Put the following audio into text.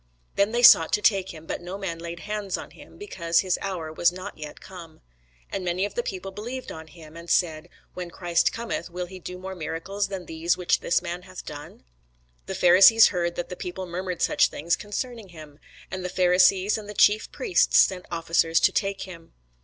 Then they sought to take him: but no man laid hands on him, because his hour was not yet come. And many of the people believed on him, and said, When Christ cometh, will he do more miracles than these which this man hath done? The Pharisees heard that the people murmured such things concerning him; and the Pharisees and the chief priests sent officers to take him.